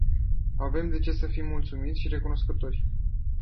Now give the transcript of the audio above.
Avem de ce să fim mulțumiți și recunoscători.